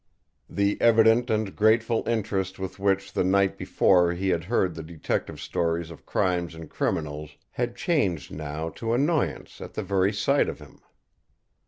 The evident and grateful interest with which the night before he had heard the detective's stories of crimes and criminals had changed now to annoyance at the very sight of him.